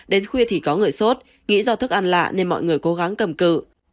đến khuya thì có người sốt nghĩ do thức ăn lạ nên mọi người cố gắng cầm cự